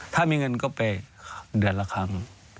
ถ้ามีเงินก็ไปเดือนละครั้ง